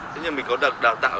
thế nhưng mình có được đào tạo